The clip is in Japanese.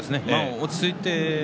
落ち着いて。